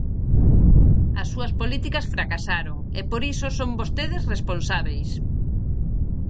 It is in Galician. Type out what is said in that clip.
As súas políticas fracasaron, e por iso son vostedes responsábeis.